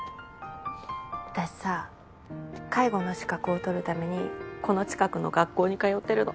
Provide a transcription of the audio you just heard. あたしさ介護の資格を取るためにこの近くの学校に通ってるの。